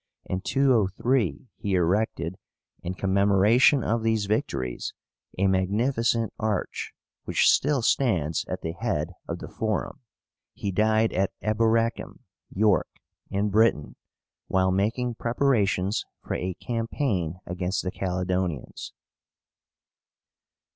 In 203 he erected, in commemoration of these victories, a magnificent arch, which still stands at the head of the Forum. He died at Eboracum (York), in Britain, while making preparations for a campaign against the Caledonians.